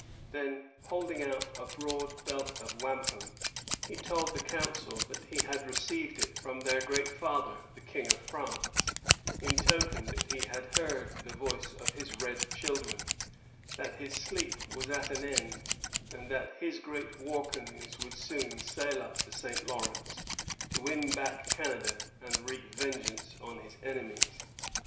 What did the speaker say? Then, holding out a broad belt of wampum, he told the council that he had received it from their great father the King of France, in token that he had heard the voice of his red children; that his sleep was at an end; and that his great war canoes would soon sail up the St. Lawrence, to win back Canada, and wreak vengeance on his enemies.